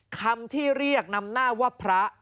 คำที่เรียกนำหน้าว่าพระ